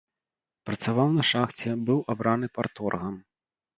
Працаваў на шахце, быў абраны парторгам.